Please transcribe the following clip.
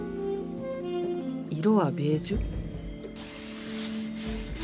色はベージュ？